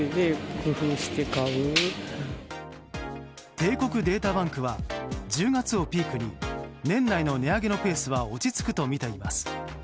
帝国データバンクは１０月をピークに年内の値上げのペースは落ち着くとみています。